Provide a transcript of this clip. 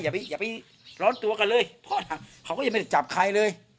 อย่าไปร้อนตัวกันเลยเพราะเขาก็ยังไม่ได้จับใครเลย